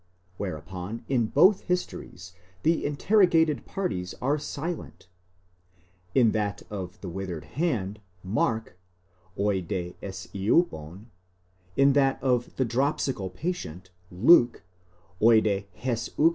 whereupon in both histories the interrogated parties are silent (in that of the withered hand, Mark: οἱ δέ ἐσιώπων ; in that of the dropsical patient, Luke: οἱ δὲ ἡσύχασαν).